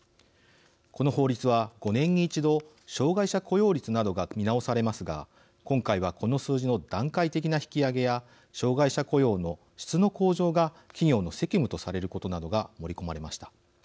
この法律は５年に一度障害者雇用率などが見直されますが今回はこの数字の段階的な引き上げや障害者雇用の質の向上が企業の責務とされることなどが盛り込まれました。